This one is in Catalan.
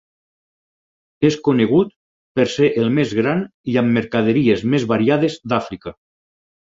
És conegut per ser el més gran i amb mercaderies més variades d'Àfrica.